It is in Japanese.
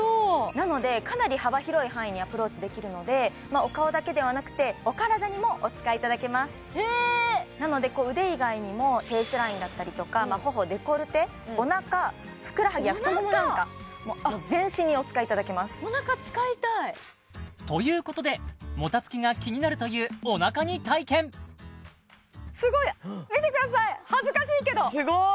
なのでかなり幅広い範囲にアプローチできるのでお顔だけではなくてお体にもお使いいただけますなので腕以外にもフェイスラインだったりとか頬デコルテおなかふくらはぎや太ももなんかもう全身にお使いいただけますということでもたつきが気になるというおなかに体験すごい見てください恥ずかしいけどすごい！